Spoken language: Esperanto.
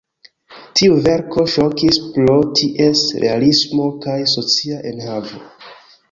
Tiu verko ŝokis pro ties realismo kaj socia enhavo.